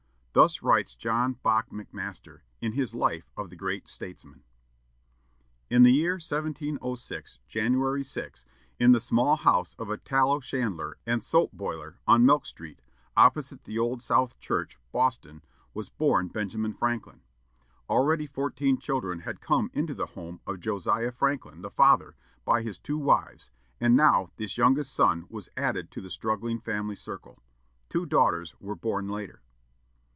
Thus writes John Bach McMaster, in his life of the great statesman. In the year 1706, January 6 (old style), in the small house of a tallow chandler and soap boiler, on Milk Street, opposite the Old South Church, Boston, was born Benjamin Franklin. Already fourteen children had come into the home of Josiah Franklin, the father, by his two wives, and now this youngest son was added to the struggling family circle. Two daughters were born later.